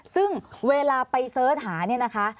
ซึ่งเวลาไปเสิร์ชหาเนี่ยนะคะ